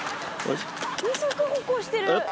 二足歩行してる！